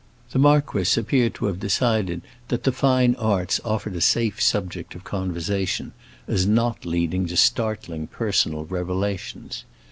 The marquis appeared to have decided that the fine arts offered a safe subject of conversation, as not leading to startling personal revelations.